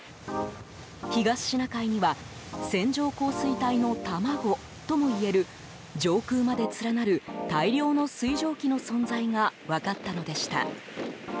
東シナ海には線状降水帯の卵ともいえる上空まで連なる大量の水蒸気の存在が分かったのでした。